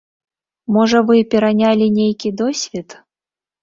Можа вы перанялі нейкі досвед?